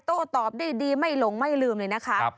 โต้ตอบดีไม่หลงไม่ลืมเลยนะคะ